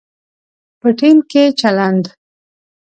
په ټیم کې چلند